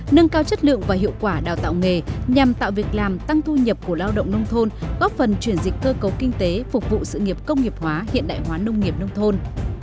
nâng cao chất lượng và hiệu quả đào tạo nghề nhằm tạo việc làm tăng thu nhập của lao động nông thôn góp phần chuyển dịch cơ cấu kinh tế phục vụ sự nghiệp công nghiệp hóa hiện đại hóa nông nghiệp nông thôn